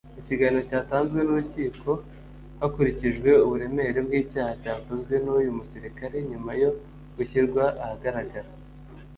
Iki gihano cyatanzwe n’urukiko hakurikijwe uburemere bw’icyaha cyakozwe n’uyu musirikare nyuma yo gushyirwa ahagaragara